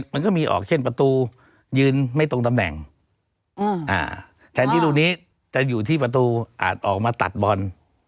มันก็มีออกเช่นประตูยืนไม่ตรงตำแหน่งแทนที่ลูกนี้จะอยู่ที่ประตูอาจออกมาตัดบอล